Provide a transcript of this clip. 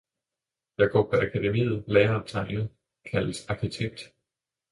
jeg går på akademiet, lærer at tegne, kaldes arkitekt -!